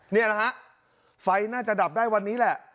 นี่แหละฮะไฟน่าจะดับได้วันนี้แหละ